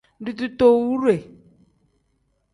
Ditootowure.